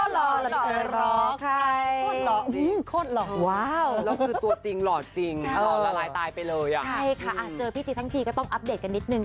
ลาลาลาลาลาลาลาลาลาจริงรอจริง